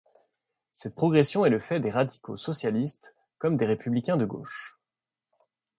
Cette progression est le fait des radicaux-socialistes comme des républicains de gauche.